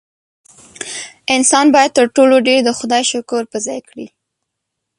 انسان باید تر ټولو ډېر د خدای شکر په ځای کړي.